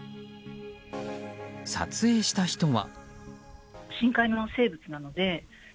撮影した人は。